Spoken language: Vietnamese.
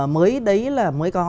mới đấy là mới có